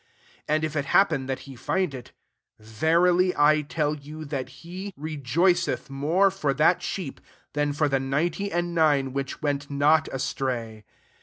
IS And if it happen that he find it, verily I tell you, that he re joiceth more for that iheefi^ than for the ninety and nine which \yent not astray.